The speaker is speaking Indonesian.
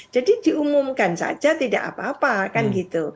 jadi diumumkan saja tidak apa apa kan gitu